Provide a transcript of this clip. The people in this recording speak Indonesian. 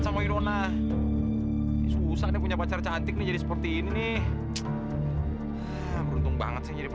sampai jumpa di video selanjutnya